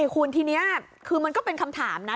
คุณทีนี้คือมันก็เป็นคำถามนะ